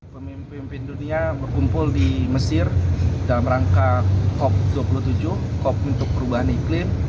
pemimpin pemimpin dunia berkumpul di mesir dalam rangka cop dua puluh tujuh cop untuk perubahan iklim